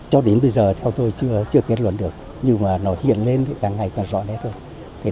cho đến bây giờ theo tôi chưa kết luận được nhưng nó hiện lên càng ngày càng rõ rẽ thôi